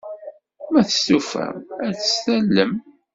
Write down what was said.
Ma testufam, ad t-tallem.